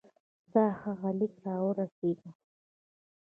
ستا هغه لیک را ورسېدی.